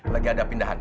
lagi ada pindahan